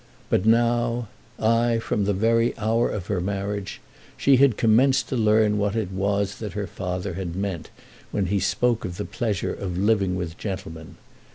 But now, ay, from the very hour of her marriage, she had commenced to learn what it was that her father had meant when he spoke of the pleasure of living with gentlemen.